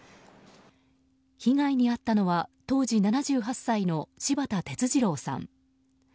被害に遭ったのは当時７８歳の柴田哲二郎さん。